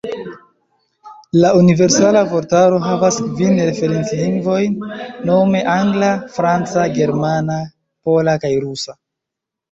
La Universala Vortaro havas kvin referenc-lingvojn, nome angla, franca, germana, pola kaj rusa.